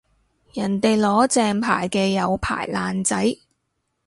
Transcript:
人哋攞正牌嘅有牌爛仔